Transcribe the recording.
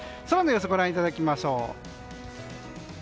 空の様子ご覧いただきましょう。